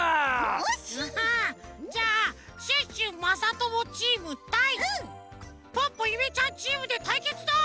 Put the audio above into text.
ハハッじゃあシュッシュまさともチームたいポッポゆめちゃんチームでたいけつだ！